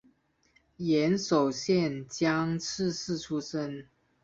岩手县江刺市出身。